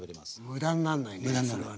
無駄になんないねそれはね。